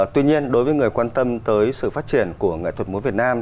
tuy nhiên đối với người quan tâm tới sự phát triển của nghệ thuật múa việt nam